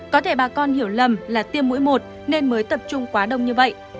có thể bà con hiểu lầm là tiêm mũi một nên mới tập trung quá đông như vậy